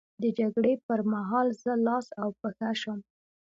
د جګړې پر مهال زه لاس او پښه شم.